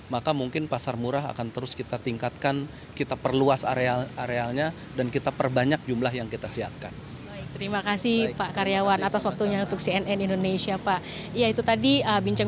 maka mungkin pasar murah akan terus kita tingkatkan kita perluas arealnya dan kita perbanyak jumlah yang kita siapkan